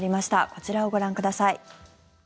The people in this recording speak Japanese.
こちらをご覧ください。